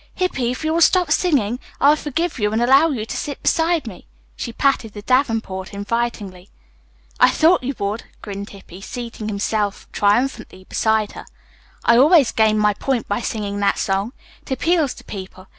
"Hippy, if you will stop singing, I'll forgive you and allow you to sit beside me." She patted the davenport invitingly. "I thought you would," grinned Hippy, seating himself triumphantly beside her. "I always gain my point by singing that song. It appeals to people.